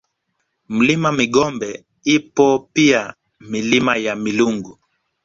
Mlima Migombe ipo pia Milima ya Milungu